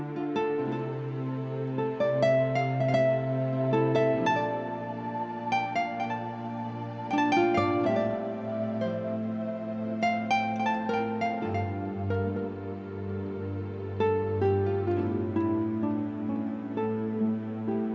yang dek biar lo bisa pray message kalo kamu disitu